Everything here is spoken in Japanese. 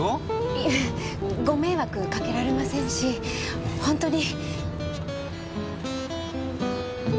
いえご迷惑かけられませんし本当に。